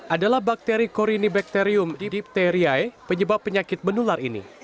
adalah bakteri korinibacterium di dipteriae penyebab penyakit menular ini